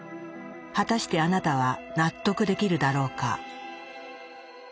果たしてあなたは納得できるだろうか。